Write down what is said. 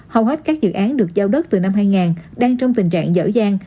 hầu hết các dự án được giao đất từ năm hai nghìn đang trong tình trạng dở dàng